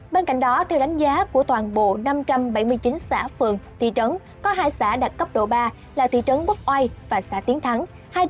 bên cạnh đó theo đánh giá của toàn bộ năm trăm bảy mươi chín xã phường thị trấn có hai xã đạt cấp độ ba là thị trấn bốc oai và xã tiến thắng